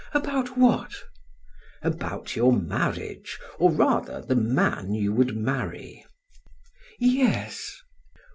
"About what?" "About your marriage, or rather the man you would marry." "Yes."